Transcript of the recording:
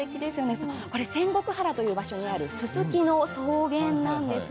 仙石原という場所にあるススキの草原なんです。